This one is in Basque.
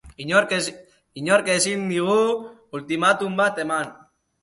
Inork ezin digu ultimatum bat eman.